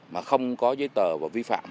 mà không có giấy tờ và vi phạm